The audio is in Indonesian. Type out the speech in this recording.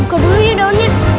buka dulu ya daunnya